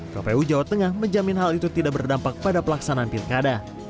kpu jawa tengah menjamin hal itu tidak berdampak pada pelaksanaan pilkada